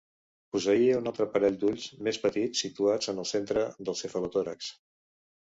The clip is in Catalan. Posseïa un altre parell d'ulls més petits situats en el centre del cefalotòrax.